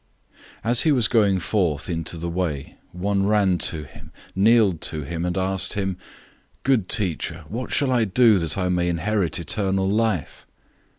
010:017 As he was going out into the way, one ran to him, knelt before him, and asked him, "Good Teacher, what shall I do that I may inherit eternal life?"